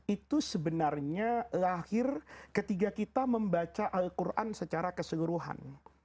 itu sebenarnya lahir ketika kita membaca al quran secara keseluruhan